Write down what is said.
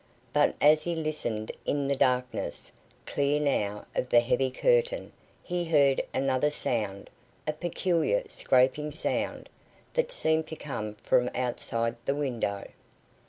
But as he listened in the darkness, clear now of the heavy curtain, he heard another sound a peculiar scraping sound, that seemed to come from outside the window.